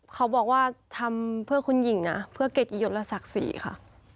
เขาบอกว่าทำเพื่อคุณหญิงนะเพื่อเกียรติยศและศักดิ์ศรีค่ะ